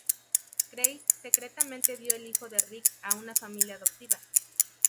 Grace secretamente dio el hijo de Rick a una familia adoptiva.